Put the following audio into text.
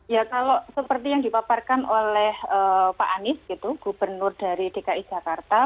ya kalau seperti yang dipaparkan oleh pak anies gitu gubernur dari dki jakarta